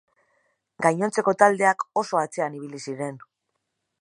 Gainontzeko taldeak oso atzean ibili ziren.